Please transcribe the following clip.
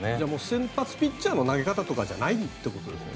先発ピッチャーの投げ方とかじゃないってことですね。